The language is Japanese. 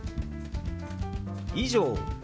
「以上」。